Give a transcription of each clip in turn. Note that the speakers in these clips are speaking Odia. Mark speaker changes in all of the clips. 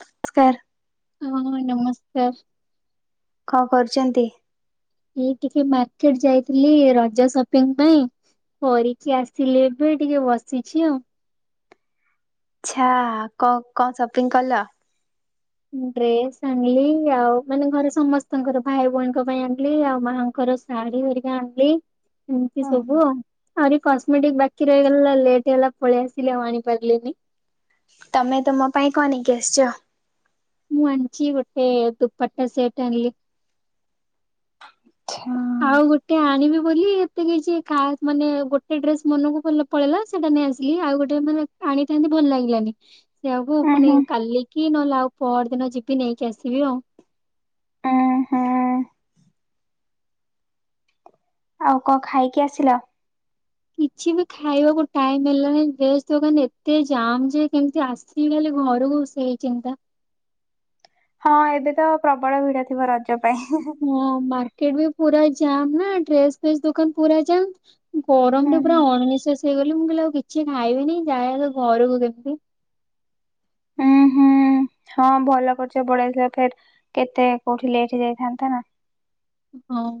Speaker 1: ନମସ୍କାର।
Speaker 2: ହଁ ନମସ୍କାର।
Speaker 1: କଣ କରୁଛନ୍ତି?
Speaker 2: ଏ ଟିକେ ମାର୍କେଟ ଯାଇଥିଲି ରଜ ସପିଙ୍ଗ ପାଇଁ କରିକି ଆସିଲେ ଏବେ ଟିକେ ବସିଛି ଆଉ।
Speaker 1: ଆଚ୍ଛା କ କଣ ସପିଂ କଲ?
Speaker 2: ଡ୍ରେସ ଆଣିଲି ଆଉ ମାନେ ଘରେ ସମସ୍ତଙ୍କର ଭାଇ ଭଉଣୀଙ୍କ ପାଇଁ ଆଣିଲି ଆଉ ମାଙ୍କର ଶାଢୀ ହାରିକା ଆଣିଲି ଏମିତି ସବୁ ଆଉ। ଆରିି କାସ୍ମେଟିକ୍ ବାକିରଲା ଲେଟ୍ ହେଇଗଲା ପଳେଇଆସିଲି ଆଣିପାରଲିିନି।
Speaker 1: ତମେ ତମ ପାଇଁ କଣ ନେଇକି ଆସିଛ।
Speaker 2: ମୁଁ ଆଣିଛି ଗୋଟେ ଦୁପଟା ସେଟ ଆଣିଲି।
Speaker 1: ଆଚ୍ଛା।
Speaker 2: ଆଉ ଗୋଟେ ଆଣିବି ବୋଲି ଏତେ କିଛି ଖାସ ମାନେ ଗୋଟେ ଡ୍ରେସ ମନକୁ ଭଲ ପଳେଇଲା ସେଟା ନେଇ ଆସିଲି ଆଉ ଗୋଟେ ମାନେ ଆଣିଥାନ୍ତି ଭଲ ଲାଗିଲାନି। ସେୟାକୁ
Speaker 1: ଉଁ
Speaker 2: ପୁଣି
Speaker 1: ହୁଁ
Speaker 2: କାଲି। କି ନହଲେ ଆଉ ପହର ଦିନ ଯିବି ନେଇକି ଆସିବି ଆଉ।
Speaker 1: ଉଁ ହୁଁ ଆଉ କଣ ଖାଇକି ଆସିଲ
Speaker 2: କିଛି ବି ଖାଇବାକୁ ଟାଇମ ହେଲାନି ଡ୍ରେସ ଦୋକାନ ଏତେ ଯାମ୍ ଯେ କେମତି ଆସି ହେଲି ଘରକୁ ସେଇ ଚିନ୍ତା।
Speaker 1: ହଁ ଏବେ ତ ପ୍ରବଳ ଭିଡ ଥିବ ରଜରେ।
Speaker 2: ହଁ ମାର୍କେଟ ବି ପୁରା। ଯମ୍ ନା ଡ୍ରେସ ଫେସ୍ ଦୋକାନ ପୁରା ଯମ୍। ଗରମ ରେ ପୁରା ଅଣନିଶ୍ୱାସି। ସେଇ କ ମୁଁ କହିଲି ଆଉ କିଛି ଖାଇବିନି ଯା ତ ଘରକୁ କେମିତି।
Speaker 1: ଉୁଁ ହୁଁ ହଁ ଭଲ କରୁଛ ପଳେଇସ ଫ କେତେ କୋଉଠି ଲେଟ ଯାଇଥାନ୍ତା ନା।
Speaker 2: ହଁ।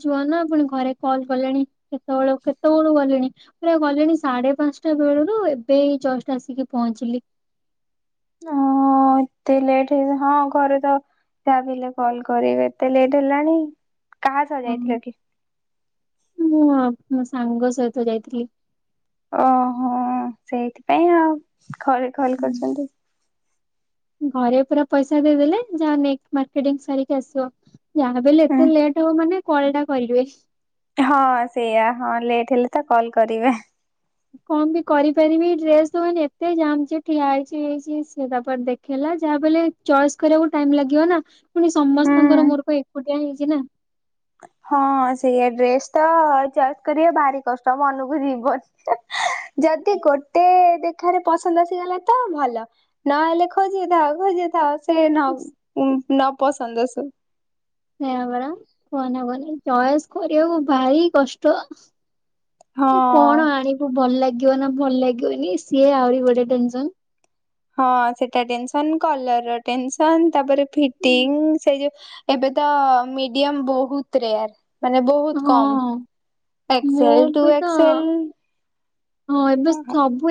Speaker 2: ଯୁ ନା ପଣି ଘରେ କଲ କଲେଣି କେତେବେଳ କେତେବେଳୁ ଗଲେଣି ପୁରା ଗଲେଣି ସାଢେ ପାଞ୍ଚଟା ବେଳରୁ ଏବେ ଜଷ୍ଟ ଆସିକି ପହଞ୍ଚିଲି।
Speaker 1: ହ ଏତେ ଲେଟ ହେଇ ହଁ ଘରେ ତ ଭାବିଲେ କଲ କରିବେ ଏତେ ଲେଟ୍ ହେଲାଣି। କାହା ସ ଯାଇଥିଲା କି?
Speaker 2: ମୁଁ ମୋ ସାଙ୍ଗ ସହିତ ଯାଇଥିଲି।
Speaker 1: ଓହୋ ସେଇଥିପାଇଁ ଆଉ ଖରେ ଖଲ କରିଛନ୍ତି।
Speaker 2: ଘରେ ପୁରା ପଇସା ଦେଇଦେଲେ ଯାହା ମେ ମାର୍କକେଟିଂ ସାରିକି ଆସିବ। ଯାଣ ବଲେ
Speaker 1: ହୁଁ
Speaker 2: ଏତେ ଲେଟ୍ ହବ ମାନେ। କଳ ଟା କରିବୁ।
Speaker 1: ହଁ ସେଇଆା ହଁ ଲେଟ ହେଲେ ତ କଲ କରିବେ।
Speaker 2: କଣ ବି କରିପାରିବି ଡ୍ରେସ ତ ମାନେ ଏତେ ଜା ଠିଆ ହେଇଛି ହେଇଛି ସେ ତାପରେ ଦେଖେଇଲା ଯାହା ବ ଚଏସ୍ କରିବାକୁ ଟାଇ ଲାଗିବ ନା। ପୁଣି
Speaker 1: ହୁଁ
Speaker 2: ସମସ୍ତଙ୍କର ମୋର କ। କୋଟେ ହେଇଛି ନା।
Speaker 1: ହଁ ସେଇ ଡ୍ରେସ ତ ଚଏସ୍ କରେ ଭାରି କଷ୍ଟ ମନକୁ ଯିବନି। ଯଦି ଗୋଟେ ଦେଖ ପାଖରେ ପସନ୍ଦ ଆସିଗଲା ତ ଭଲ ନହେଲେ ଖୋଜି ଥାଉ ଖୋଜି ଥାଉ ସେ ନଉ ହଁ। ନ ପସନ୍ଦସୁ।
Speaker 2: ସେ ବଡ କୁହନ କନ ଚଏସ କରିବାକୁ ଭାରି କଷ୍ଟ
Speaker 1: ହଁ।
Speaker 2: କଣ ଆଣିବୁ ଭଲ ଲାଗ। ଲାଗିବ ନା ଭଲ ଲାଗିବନି ସିଏ ଆହୁରି ଗୋଟେସ
Speaker 1: ହଁ ସେଟା ଟେସ କଲର ର ଟେସନ ତାପରେ ଫିଟିଙ୍ଗ ସେ ଯଉ ଏବେ ତ ମିଡିୟମ ବହୁତ ରେ। ମାନେ ବହୁତ
Speaker 2: ହଁ ମୁଁ
Speaker 1: କମସଲ ଟୁ
Speaker 2: ବି ତ
Speaker 1: ଏସଲ।
Speaker 2: ହଁ ଏବେ ସବୁ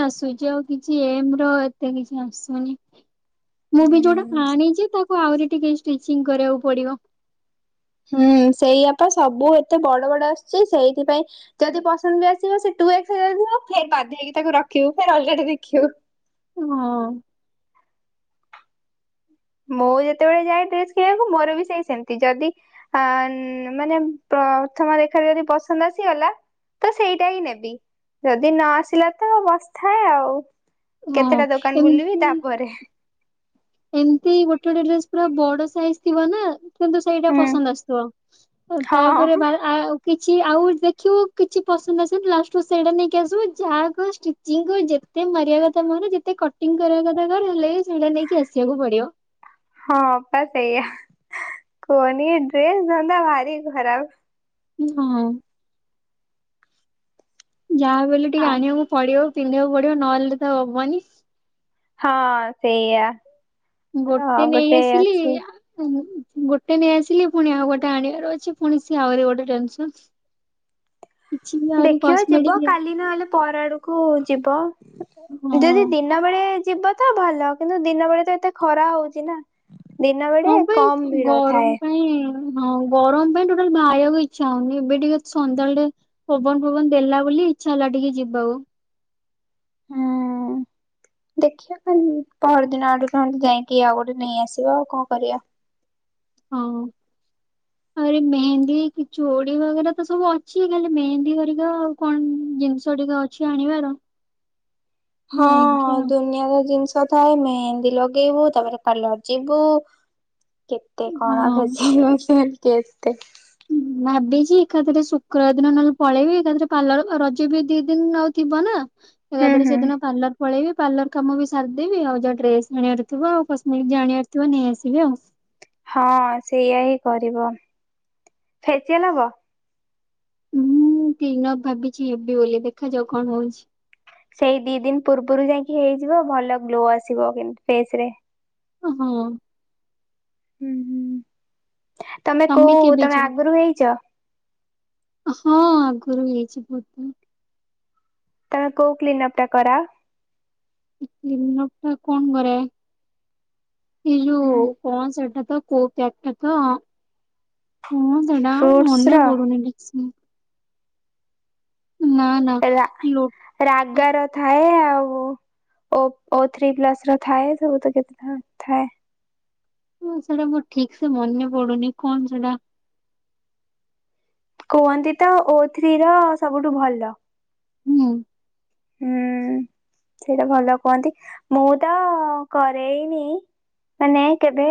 Speaker 2: ଆସୁଛି ଆଉ କିଛି ଏମ ଏତେ କିଛି ଆସୁନି। ମୁଁ ବି ଯୋଉଟା
Speaker 1: ହୁଁ
Speaker 2: ଖାଣିଛି ତାକୁ। ଆହୁରି ଟିକେ ଷ୍ଟିଚିଂ କରିବାକୁ ପଡିବ।
Speaker 1: ହୁଁ ସେଇଆତ ସବୁ ଏତେ ବଡ ବଡ ଆସୁଛି। ସେଇଥିପାଇଁ ଯଦି ପସନ୍ଦ ବି ଆସିବ ସେ [unintelligible] ବାଧ ହେଇକି ତାକୁ ରଖିବୁ। ପୁଣି ଅଲଗା ଟେ ଦେଖିବୁ।
Speaker 2: ହଁ।
Speaker 1: ମୁଁ ଯେତେବେଳେ ଯାଏ ଡ୍ରେସ କିଣିବାକୁ ମୋର ବି ସେଇ ସେମତି। ଯଦି ମାନେ ପ୍ରଥମ ଦେଖାରେ ଯଦି ପସନ୍ଦ ଆସିଗଲା ତ ସେଇଟା ହିଁ ନେବି। ଯଦି ନ ଆସିଲା ତ ବସିଥାଏ ଆଉ।
Speaker 2: ହଁ
Speaker 1: କେତେଟା ଦୋକାନ ବୁଲିବି ତାପରେ।
Speaker 2: ଏମତି ଗୋଟେ ଗୋଟେ ଡ୍ରେସ ପୁରା ବଡ ସାଇଜ ଥିବ ନା। କିନ୍ତୁ ସେଇଟା
Speaker 1: ହୁଁ
Speaker 2: ପସନ୍ଦ ଆସୁଥିବ ତାପରେ
Speaker 1: ହଁ
Speaker 2: ଭା ଆଉ କିଛି ଆଉ ଦେଖିବୁ କିଛି ପସନ୍ଦ ଆସିବନି। ଲାଷ୍ଟ କୁ ସେଇଟା ନେଇକି ଆସିବୁ ଯାହା କର ଷ୍ଟିଚିଙ୍ଗ କର ଯେତେ ମାରିବା କଥା ମାର ଯେତେ କଟିଂ କରିବା କଥା ହେଲେ ଏ
Speaker 1: ହଁ ପା ସେଇଆ। କୁହନି ଏ ଡ୍ରେସ ଧନ୍ଦା ଭାରି ଖରାପ।
Speaker 2: ହଁ। ଯାହାବି ହେଲେ ଟିକେ ଆଣିବାକୁ ପଡ଼ିବ। ପିନ୍ଦିବାକୁ ପଡିବ ନ ହେଲେ ତ ହବନି।
Speaker 1: ହଁ ସେଇଆ। ତ
Speaker 2: ଗୋଟେ ନେଇ ଆସିଲି
Speaker 1: ଅଛି
Speaker 2: ଆ ଗୋଟେ ନେଇ ଆସିଲି ପୁଣି ଆଉ ଗୋଟେ ଆଣିବାର ଅଛି ପୁଣି ସିଏ ଆହୁରି ଗୋଟେ ଟେନସନ୍।
Speaker 1: ଦେଖିବ ଯିବ କାଲି ନହେଲେ ପର ଆଡକୁ ଯିବ
Speaker 2: ହଁ।
Speaker 1: ଯଦି ଦିନ ବେଳେ ଯିବ ତ ଭଲ। କିନ୍ତୁ ଦିନ ବେଳେ ତ ଏତେ ଖରା ହଉଛି ନା। ଦିନ ବେଳେ
Speaker 2: ହଁ ବା ଏଇ
Speaker 1: କମ ଭିଡ ଥାଏ।
Speaker 2: ଗରମ ପାଇଁ ହଁ ଗରମ ପାଇଁ ଟୋଟାଲ୍ ବାହାରିବାକୁ ଇଚ୍ଛା ହଉନି। ଏବେ ଟିକେ ସନ୍ଧ୍ୟାବେଳେ ଟିକେ ପବନ ପବନ ଦେଲା ବୋଲି ଇଛା ହେଲା ଟିକେ ଯିବାକୁ।
Speaker 1: ହୁଁ ଦେଖିବା ପହର ଦିନ ଆଡୁ ନହେଲେ ଯାଇକି ଆଉ ଗୋଟେ ନେଇ ଆସିବା ଆଉ କଣ କରିବା।
Speaker 2: ହଁ ଆହୁରି ମେହେନ୍ଦୀ କି ଚୂଡି ବଗେରା ତ ସବୁ ଅଛି। ଖାଲି ମେହେନ୍ଦୀ ହେରିକା ଆଉ କଣ ଜିନିଷ ଟିକେ ଅଛି ଆଣିବାର।
Speaker 1: ହଁ
Speaker 2: ଯାଇକି ଆଉ
Speaker 1: ଦୁନିଆ ତ ଜିନିଷ ଥାଏ ମେହେନ୍ଦୀ ଲଗେଇବୁ ତାପରେ ପାର୍ଲର ଯିବୁ କେତେ କଣ
Speaker 2: ହଁ।
Speaker 1: ଫେସିଆଲ୍। [unintelligible] କେତେ?
Speaker 2: ଭାବିଛି ଏକାଥରେ ଶୁକ୍ରବାର ଦିନ ନହେଲେ ପଳେଇବି। ଏକାଥରେ ପାର୍ଲର ରଜ ବି ଦି ଦିନ ଆଉ ଥିବ ନା।
Speaker 1: ହୁଁ
Speaker 2: ଏକାଥରେ
Speaker 1: ହୁଁ
Speaker 2: ସେଦିନ ପାର୍ଲର ପଳେଇବି ପାର୍ଲର କାମ ବି ସାରିଦେବିମ ଆଉ ଯା ଡ୍ରେସ୍ କିଣିବାର ଥିବ ଆଉ କସମେଟିକ୍ ଯାହା ଆଣିବାର ଥିବ ନେଇ ଆସିବି ଆଉ।
Speaker 1: ହଁ ସେଇଆ ହିଁ କରିବ। ଫେସିଆଲ୍ ହବ?
Speaker 2: ମୁଁ କ୍ଲିନ୍ ଅପ୍ ଭାବିଛି ହେବି ବୋଲି ଦେଖାଯାଉ କଣ ହଉଛି।
Speaker 1: ସେଇ ଦି ଦିନ ପୂର୍ବରୁ ଯାଇକି ହେଇଯିବ ଭଲ ଗ୍ଲୋ ଆସିବ ଯେମିତି ଫେସ୍ ରେ।
Speaker 2: ହଁ।
Speaker 1: ହୁଁ ହୁଁ। ତମେ କୋଉ
Speaker 2: କେବେ
Speaker 1: ତମେ
Speaker 2: ଯିବ
Speaker 1: ଆଗରୁ ହେଇଛ?
Speaker 2: ହଁ ଆଗରୁ ହେଇଛି ବହୁତ ଥର।
Speaker 1: ତମେ କୋଉ କ୍ଲିନଅପ୍ ଟା କରାଅ?
Speaker 2: କ୍ଲିନ୍ ଅପ୍ ଟା କଣ କରେ? ଏଇ ଯୋଉ କଣ ସେଟା ତ କୋଉ କ୍ୟାକ୍ଟା ତ ହଁ ସେଟା ଆଉ
Speaker 1: ଫ୍ରୁଟସ ର
Speaker 2: ମନେ ପଡୁନି ଠିକ୍ ସେ। ନା ନା ଲୋ
Speaker 1: ରାଗା ର ଥାଏ ଆଉ ଓ ଓ ଥ୍ରୀ ପ୍ଲସ୍ ର ଥାଏ ସବୁ ତ କେତେ ଥାଏ।
Speaker 2: ହଁ ସେଟା ମୋର ଠିକ୍ ସେ ମନେ ପଡୁନି କଣ ସେଟା
Speaker 1: କୁହନ୍ତି ତ ଓ ଥ୍ରୀ ର ସବୁଠୁ ଭଲ।
Speaker 2: ହୁଁ।
Speaker 1: ହୁଁ ସେଇଟା ଭଲ କୁହନ୍ତି ମୁଁ ତ କରେଇନି ମାନେ କେବେ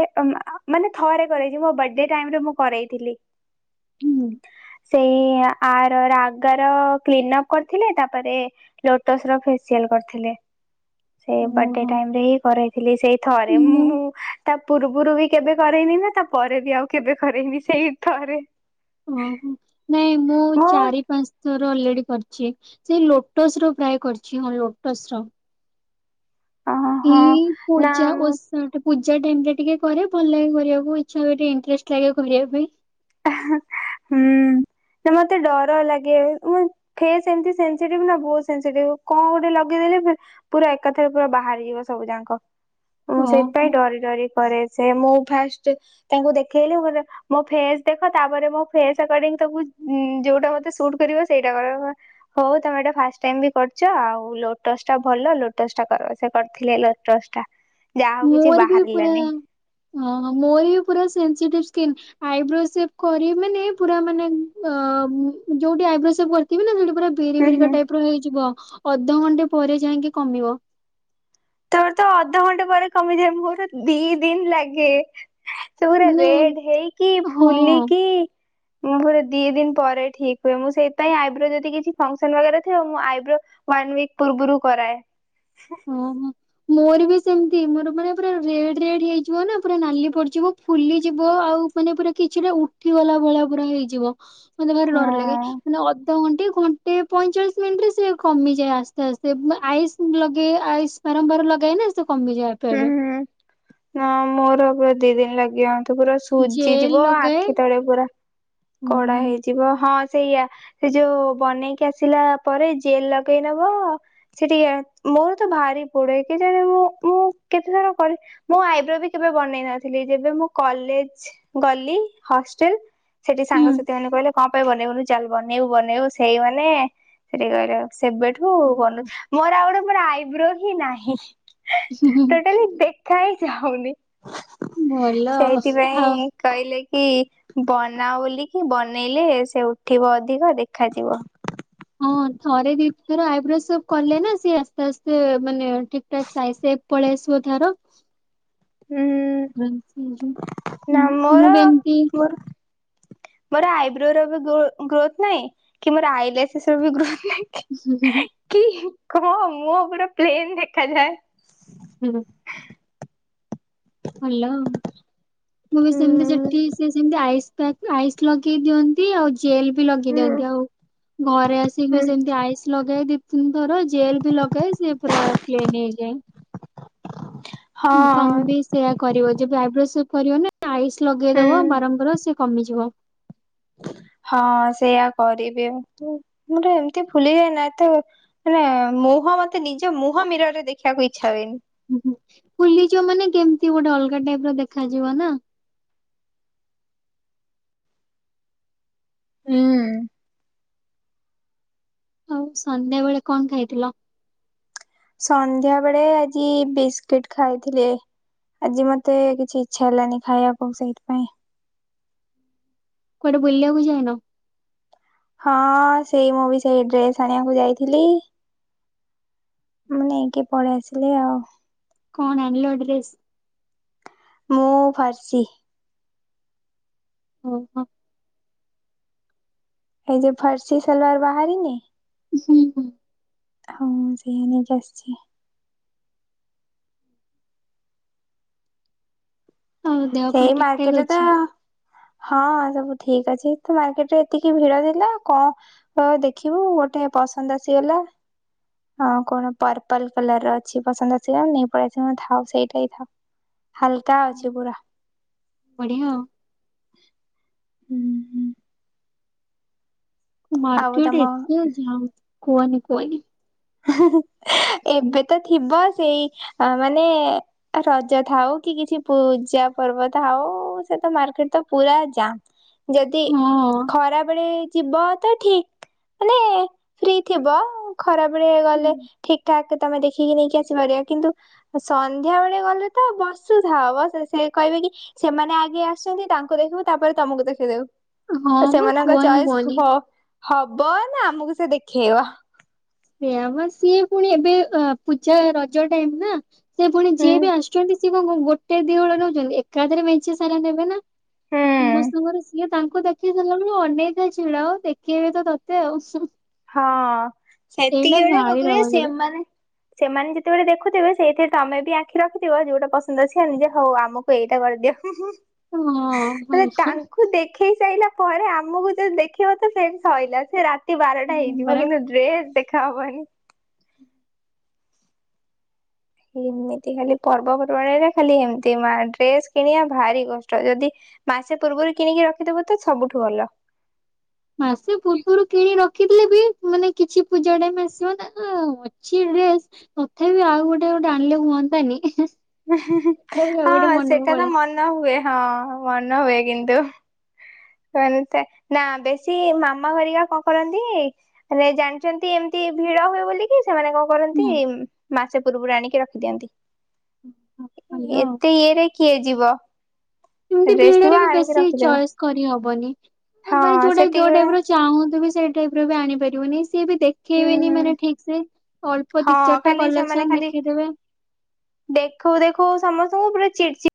Speaker 1: ମାନେ ଥରେ କରେଇଛି ମୋ ବଡେ ଟାଇମ୍ ମୁଁ କରେଇଥିଲି
Speaker 2: ହୁଁ।
Speaker 1: ସେଇ ଆର ରାଗାର କ୍ଲିନ୍ ଅପ୍ କରିଥିଲି ତାପରେ ଲୋଟସ୍ ର ଫେସିଆଲ କରିଥିଲେ। ସେ ବର୍ଡେ
Speaker 2: ଓହୋ
Speaker 1: ଟାଇମ୍ ରେ ହିଁ କରେ। ଥିଲ ସେଇ ଥରେ ମୁଁ ତା ପୂର୍ବରୁ ବି କେବେ କରେଇନି ନା ତା ପରେରେ ବି ଆଉ କେବେ କରେଇନି ସେଇ ଥରେ।
Speaker 2: ଓ ହଁ ନାଇଁ ମୁଁ ଚାରି ପାଞ୍ଚ ଥର ଅଲରେଡି କରିଛି ସେ ଲୋଟସ ର ପ୍ରାୟ କରିଛି ହଁ ଲୋଟସ ର।
Speaker 1: ଅ ହଁ
Speaker 2: ଏଇ
Speaker 1: ନା
Speaker 2: ପୂଜା
Speaker 1: ମୁଁ
Speaker 2: ଓଷଟ ପୂଜା ଟାଇମ୍ ଟା ଟିକେ କରେ ଭଲ ଲାଗେ କରିବାକୁ ଇଚ୍ଛା ହୁଏ ଟିକେ ଇନଣ୍ଟେଷ୍ଠ ଲାଗେ କରିବା ପାଇଁ।
Speaker 1: ହା ହୁଁ ନା ମତେ ଡର ଲାଗେ ଉଁ ଫେସ୍ ଏମିତି ସେନ୍ସଟିଭ ନା ବହୁତ ସନ୍ସଟିଭ କଣ ଗୋଟେ ଲଗେଇଦେଲେ ପୁରା ଏକାଥରେ ପୁରା ବାହାରିଯିବ ସବୁ ଯାକ। ମୁଁ ସେଇଥିପାଇଁ
Speaker 2: ଓହୋ
Speaker 1: ଡରି ଡରି କରେ ସେ ମୁଁ ଫାଷ୍ଟ ତାଙ୍କୁ ଦେଖେଇଲି ମୋ ଫେସ ଦେଖ ତାପରେ ମୋ ଫେସ୍ ଆକେଡିଙ୍ଗ ତମକୁ ଯୋଉଟା ମେତେ ସୁଟ କରିବ ସେଇଟା କର ହଉ ତମେ ଏଇଟା ଫାଷ୍ଟ ଟାଇ ବି କରଛ ଆଉ ଲୋଟସ୍ ଟା ଭଲ ଲୋଟସ୍ ଟା କର ସେ କରିଥିଲେ ଲୋଟସ୍ ଟା ଯାହା ହଉ କିଛି
Speaker 2: ମୋର ବି ପୁରା
Speaker 1: ବାହାରିଲାନି।
Speaker 2: ମୋର ବି ପୁରା ସେନ୍ସେଟିଭ [unintelligible] ଆଇବ୍ରୋ ସେଭ୍ କରିବି ମାନେ ପୁର ମାନେ ଯୋଉଠି ଆଇବ୍ରୋ କରିିବ ନା ସ ପୁରା ବିରି
Speaker 1: ହୁଁ
Speaker 2: ବିରିିକା
Speaker 1: ହୁଁ
Speaker 2: ଟାଇପ ର ହେଇଯିବ। ଅଧଘଣ୍ଟେ ପରେ ଯାଇକି କମିବ।
Speaker 1: ତମର ତ ଅଧଘଣ୍ଟେ ପରେ କମିଯାଏ ମୋର ଦି ଦିନ ଲାଗେ। ସବୁରା
Speaker 2: ମାନେ
Speaker 1: ରେଡ ହେଇକି
Speaker 2: ହଁ।
Speaker 1: ଫୁଲିକି ମୁଁ ପୁରା ଦି ଦିନ ପରେ ଠିକ ହୁଏ ମୁଁ ସେଇଥିପାଇ ଆଇଦର ଯଦି କିଛି ଫଙ୍କସନ ବଗେରା ଥିବ ଆଇବ୍ରୋ ଭ୍ୟାନ୍ ଉଇକ୍ ପୂର୍ବରୁ କରାଏ।
Speaker 2: ଓ ହୋ ମୋର ବି ସେମିତି ମୋର ମାନେ ପୁରା ରେଡ ରେଡ ହେଇଯିବ ନା ପୁରା ନାଲି ପଡିଯିବ ଫୁଲିଯିବ ଆଉ ମାନେ ପୁରା କିଛିଟା ଉଠି ଗଲା ଭଳିଆ ହେଇଯିବ। ମାତେ ଭାରି ଡର ଲାଗେ
Speaker 1: ହଁ।
Speaker 2: ମାନେ ଅ ଆଧଘଣ୍ଟେ ଘଣ୍ଟେ ପଇଁଚାଳିଶ ମିନିଟରେ ସେ କମିଯାଏ ଆସ୍ତେ ଆସ୍ତେ ଆଇସ ଲ କି ଆଇସ ବାରମ୍ବାର ଲଗାଏ ନା କମିଯାଏ ଆପେ
Speaker 1: ହୁଁ
Speaker 2: ଆପେ।
Speaker 1: ହଁ ନାଁ ମୋର ବ ଦି ଦିନ ଲାଗିବ ତୁ ପୁରା
Speaker 2: ଜେଲ୍
Speaker 1: ସୁଜିଯିବ
Speaker 2: ଲଗାଏ
Speaker 1: ଆଖି ତଳେ ପୁରା
Speaker 2: ହୁଁ
Speaker 1: କଡା
Speaker 2: ହୁଁ।
Speaker 1: ହେଇଯିବ ହଁ ସେଇଆ ସେ ଯୋଉ ବନେଇକି ଆସିଲା ପରେ ଜେଲ ଲଗେଇ ନବ ସେଠି ମୋର ତ ଭାରି ପଡେ କେଜାଣି ମୁ ମୁଁ କେତେଥର ମୁଁ ଆଇବ୍ରୋ ବି କେବେ ବନେଇ ନଥିଲି ଯେବେ ମୁଁ କଲେଜ ଗଲି ହଷ୍ଟେଲ ସେଠି ସାଙ୍ଗ ସାଥି ମାନେ କହିଲେ କଣ ପାଇଁ ବନେଇବୁନୁ ଚାଲ ବନେଇବୁ ବନେଇବୁ ସେଇ ମାନେ ସେଠି [inaudible] କହିଲେ ଆଉ ସେବେଠୁ
Speaker 2: ହୁଁ
Speaker 1: ବନୁଛି ମୋର ଆଉ ଗୋଟେ ମୋର ଆଇବ୍ରୋ ହିଁ ନାହିଁ।
Speaker 2: ହୁଁ ହୁଁ
Speaker 1: ଟୋଟାଲି ଦେଖାହି ଚାହୁନି
Speaker 2: ଭଲ ଆ
Speaker 1: ଇ ବନ ନା ବୋଲିକି ବନେଇଲେ ସେ ଉଠିବ ଅଧିକ ଦେଖାଯିବ।
Speaker 2: ହଁ ଥରେ ଦି ଥର ଆଇବ୍ରୋଜ ସବୁ କଲେ ନା ସିଏ ଆସ୍ତେ ଆସ୍ତେ ମାନେ ଠିକ ଠାକ ସାଇଜ ସେଭ ପଳେଇ ଆସିବ ତାର।
Speaker 1: ହୁଁ
Speaker 2: [unintelligible]
Speaker 1: ନା ମୋର
Speaker 2: ମୁଁ ବି ଏମିତି
Speaker 1: ମୋର ମୋର ଆଇବ୍ରୋ ର ବି ଗ୍ରୋ ଗ୍ରୋଥ ନାହିଁ। କି ମୋର ଆଇଲେସ ର ବି ଗ୍ରୋଥ
Speaker 2: ହୁଁ ହୁଁ।
Speaker 1: କ ମୁଁ ପୁରା ପ୍ଲେନ ଦେଖାଯାଏ।
Speaker 2: ହୁଁ। ହାଲୋ। ମୁଁ ବି
Speaker 1: ହୁଁ
Speaker 2: ସେମିତି ସେଠି ସିଏ ସେମିତି ଆଇ ଆଇସ୍ ଲଗେଇ ଦିଅନ୍ତି ଆଉ ଜେଲ ବି ଲଗେଇ
Speaker 1: ହୁଁ
Speaker 2: ଦିଅନ୍ତି ଆଉ ଘରେ ଆସିକି
Speaker 1: ହୁଁ
Speaker 2: ସେମତି ଆଇସ ଲଗାଏ ହଁ ସୁନ୍ଦର ଜେଲ ବି ଲଗାଏ ସେ ପୁରା ପ୍ଲେନ୍ ହେଇଯାଏ। ତମ
Speaker 1: ହଁ
Speaker 2: ବି ସେଇୟା କରିବ ଯବେ ଆଇବ୍ରୋ ସେବ କରିବ ନା ଆଇସ ଲଗେଇଦବ
Speaker 1: ହୁଁ।
Speaker 2: ବାରମ୍ବାର ସେ କମିଯିବ।
Speaker 1: ହଁ ସେଇୟା କରିବି ଆ ମୋର ଏମିତି ଫୁଲିିଯାଏ ନା ଏତେ ମାନେ ମୁହଁ ମତେ ନିଜ ମୁହଁ ମିରରେ ଦେଖିବାକୁ ଇଚ୍ଛା ହୁଏନି।
Speaker 2: ଫୁଲିଜିବ ମାନେ କେମିତି ଗୋଟେ ଅଲଗା ଟାଇପ୍ ର ଦେଖାଯିବ ନା।
Speaker 1: ହୁଁ।
Speaker 2: ହଉ ସନ୍ଧ୍ୟା ବେଳେ କଣ ଖାଇଥିଲ?
Speaker 1: ସନ୍ଧ୍ୟା ବେଳେ ଆଜି ବିସ୍କୁିଟ ଖାଇଥିଲେ। ଆଜି ମତେ କିଛି ଇଛା ହେଲାନି ଖାଇବାକୁ ସେଇଥିପାଇଁ।
Speaker 2: କୁଆଡେ ବୁଲିବାକୁ ଯାଇନ?
Speaker 1: ହଁ ସେଇ ମୁଁ ବି ସେଇ ଡ୍ରେସ ଆଣିବାକୁ ଯାଇଥିଲି। ମାନେ ନେଇକି ପଳେଇ ଆସିଲି ଆଉ
Speaker 2: କଣ ଆଣିଲ ଡେ୍ରସେ [inaudible]
Speaker 1: ମୁଁ ଫ୍ରାର୍ସି
Speaker 2: ଓହୋ।
Speaker 1: ଏ ଯେ ଫର୍ସି ସଲବାର ବାହାରି ନି?
Speaker 2: ହୁଁ ହୁଁ।
Speaker 1: ହଁ ସେଇଆ ନେଇକି ଆସିଛି।
Speaker 2: ଆଉ ଦେହ ପା
Speaker 1: ସେଇ
Speaker 2: ଠିକ ଠାକ
Speaker 1: ମାର୍କେଟରେ ତ
Speaker 2: ଅଛି?
Speaker 1: ହଁ ସବୁ ଠିକ ଅଛି ତୁ ମାର୍କେଟ ରେ ଏତିକି ଭିଡ ଥିଲା କଣ ଦେଖିବୁ ଗୋଟେ ପସନ୍ଦ ଆସିଗଲା। ହଁ କଣ ପର୍ପଲ କଲର ର ଅଛି ପସନ୍ଦ ଆସ ନେଇ ଥାଉ ସେଇଟା ହି ଥାଉ। ହାଲକା ଅଛି ପୁରା [inaudible] [inaudible]
Speaker 2: ବଢିଆ ଆଉ
Speaker 1: ହୁଁ ହୁଁ। ଆଉ
Speaker 2: ମାର୍କେଟ
Speaker 1: ତମ
Speaker 2: ଏତେ ଯାମ୍ କୁହନି। [unintelligible]
Speaker 1: [unintelligible] ଏବେ ତ ଥିବ ସେଇ ମାନେ ରଜ ଥାଉ କି କିଛି ପୂଜା ପର୍ବ ଥାଉ ସେ ତ ମାର୍କେଟ ତ ପୁରା ଯାମ୍। ଯଦି
Speaker 2: ହଁ
Speaker 1: ଖରାବେଳେ ଯିବ ତ ଠିକ ମାନେ ଫ୍ରି ଥିବ ଖରାପ କହିବାକୁ ଗଲେ ଠିକ ଠାକ ତମେ ଦେଖିକି ନେଇକି ଆସିପାରିବା କିନ୍ତୁ ସନ୍ଧ୍ୟା ବେଳେ ଗଲେ ତ ବସୁଥାଅ ବ ସେ କହିବେ କି ସେମାନେ ଆଗେଇ ଆସୁଛନ୍ତି। ତାଙ୍କୁ ଦେଖିବୁ ତାପରେ ତମକୁ ଦେଖିଦବୁ। ଆଉ
Speaker 2: ହଁ ବା
Speaker 1: ସେମାନଙ୍କ
Speaker 2: କୁହନି
Speaker 1: ଚଏସ
Speaker 2: କୁହନି।
Speaker 1: ହଁ। ହବ ନା ଆମକୁ ସେ ଦେଖେଇବ?
Speaker 2: ସେ ଆମ ସିଏ ପୁଣି ଏବେ ପୂଜା ରଜ ଟାଇମ ନା ସେ ପୁଣି ଯିଏ
Speaker 1: ହୁଁ
Speaker 2: ବି ଆସୁଛନ୍ତି ସିଏ କଣ କଣ ଗୋଟେ ଦି ବେଳ ନଉଛନ୍ତି ଏକାଥରେ ମେଞ୍ଚି ସାରା ନେବେ ନା
Speaker 1: ହୁଁ
Speaker 2: ସମସ୍ତଙ୍କର ସିଏ ତାଙ୍କୁ ଦେଖେଇ ସାରିଲା ବେଳୁ ଅନେକ ଛିଡା ଆଉ ଦେଖେଇବେ ତ ତତେ ଆଉ।
Speaker 1: ହଁ।
Speaker 2: ଏଇଟା
Speaker 1: ସେତିକି ବେଳେଆ କ
Speaker 2: ଭାରି
Speaker 1: କହେ
Speaker 2: ରଗ ଯୋଡେ
Speaker 1: ସେମାନେ ସେମାନେ ଯେତେବେଳେ ଦେଖ ରଖୁଥିବେ ସେଇଥିରେ ତମେ ବି ଆଖି ରଖିଥିବ ଯୋଉଟା ପସନ୍ଦ ଅଛି ଯେ ହଉ ଆମକୁ ଏଇଟା କରିଦିଅ।
Speaker 2: ହଁ ଭଲ
Speaker 1: ମାନେ ତାଙ୍କୁ ଦେଖି ଦେଖେଇ ସାଇଲା ପରେ ଆମକୁ ଯଦି ଦେଖିବ ତ ସେଇଟି ସଇଲା ସେ ରାତି ବାର
Speaker 2: ହଁ
Speaker 1: ହେଇଯିବ
Speaker 2: ପରା।
Speaker 1: କିନ୍ତୁ ଡ୍ରେସ ଦେଖ ଖା ହବନି। [inaudible] ଏମିତି ଖାଲି ପର୍ବପର୍ବାଣରେ ଖାଲି ଏମତି ମା ଡ୍ରେସ କିଣିବା ଭାରି କଷ୍ଟ। ଯଦି ମାସେ ପୂର୍ବରୁ କିଣିକି ରଖିଦବ ତ ସବୁଠୁ ଭଲ।
Speaker 2: ମାସେ ପୂର୍ବରୁ କିଣି ରଖିଥିଲେ ବି ମାନେ କିଛି ପୂଜା ଟାଇମ ଆସିବ ନାଁ। ନା ଅଛି ଡ୍ରେସ ତଥାବି ଆଉ ଗୋଟେ ଗୋଟେ ଆଣିଲେ ହୁଅନ୍ତାନି। ତଥାପି ଆଉ
Speaker 1: ହଁ
Speaker 2: ଗୋଟେ ମନକୁ
Speaker 1: ସେଇଟା ତ
Speaker 2: ପଳେଇ ଆସେ
Speaker 1: ମନ ହୁଏ ହଁ ମନ ହୁଏ। କିନ୍ତୁ କିଣନ୍ତି [unintelligible] ବେଶୀ ମାମା ଭରିକା କଣ କରନ୍ତି? ମାନେ ଜାଣିଛନ୍ତି ଏମିତି ଭିଡ ହୁଏ ବୋଲିକି ସେମାନେ କଣ କରନ୍ତି ଉଁ ମାସେ ପୂର୍ବରୁ ଆଣିକି ରଖିଦିଅନ୍ତି।
Speaker 2: ହୁଁ
Speaker 1: ଏତେ ଇଏରେ କିଏ? ଯିବ।
Speaker 2: ଏମତି
Speaker 1: ଡ୍ରେସ ଥିବ
Speaker 2: ଭିଡ଼ରେ ବି
Speaker 1: ଆଣିକି
Speaker 2: ବେଶୀ
Speaker 1: ରଖିଦେବେ
Speaker 2: ଚଏସ୍ କରିହ କୁହନି,
Speaker 1: ହଁ
Speaker 2: ଭାଇ ଯୋଉଟା
Speaker 1: ସେତିକି
Speaker 2: ଯୋଉ
Speaker 1: ବେଳେ
Speaker 2: ଟାଇପ୍ ର ଚାହୁଁ ମୁଁ ତ ବି ସେଇ ଟାଇପ୍ ର ବି ଆଣିପାରିବନି? ସେ ବି
Speaker 1: ହୁଁ
Speaker 2: ଦେଖେଇବେନି
Speaker 1: ହୁଁ
Speaker 2: ମାନେ ଠିକ୍ ସେ, ଅଳ୍ପ
Speaker 1: ହଁ
Speaker 2: ଦି ଚାରିଟା
Speaker 1: ଖାଲି ସେମାନେ
Speaker 2: କଲେକ୍ସନ୍
Speaker 1: ଖାଲି
Speaker 2: ଦେଖେଇଦେବେ।
Speaker 1: ଦେଖଉ ଦେଖଉ ସମସ୍ତଙ୍କୁ ପୁରା ଚିଡ୍ ଚିଡ୍